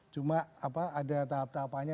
cuma ada tahap tahapanya